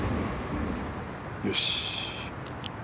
よし。